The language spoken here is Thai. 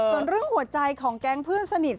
ส่วนเรื่องหัวใจของแก๊งเพื่อนสนิท